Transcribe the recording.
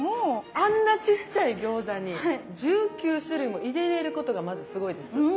あんなちっちゃい餃子に１９種類も入れれることがまずすごいです。